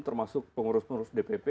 termasuk pengurus pengurus dpp